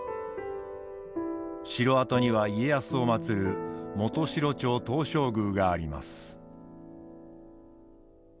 城跡には家康を祭る元城町東照宮があります。